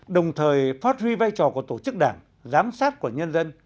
đồng thời phát huy vai trò của tổ chức đảng giám sát của nhân dân